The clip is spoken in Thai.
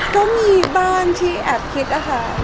ก็มีบ้านที่แอบคิดนะคะ